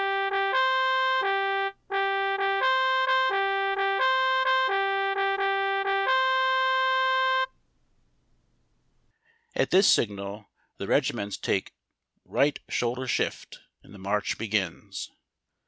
t:: :t=: H 1 1 At this signal tlie reg^iments take " ricrht shoulder shift," and the march begins.